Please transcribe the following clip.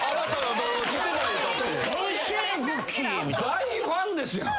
大ファンですやん！